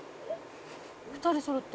「２人そろって」